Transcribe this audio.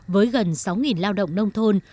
với gần sáu lao động nông thôn